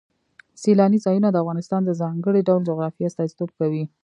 سیلانی ځایونه د افغانستان د ځانګړي ډول جغرافیه استازیتوب کوي.